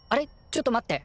ちょっと待って。